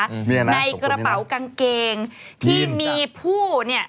ในกระเป๋ากางเกงที่มีผู้เนี่ย